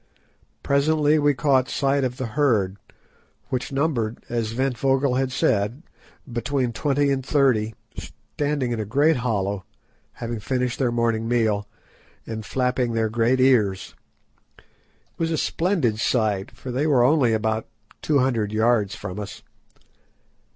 Presently we caught sight of the herd, which numbered, as Ventvögel had said, between twenty and thirty, standing in a hollow, having finished their morning meal, and flapping their great ears. It was a splendid sight, for they were only about two hundred yards from us.